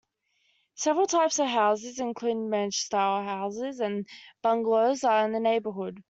Several types of houses, including ranch-style houses and bungalows, are in the neighborhood.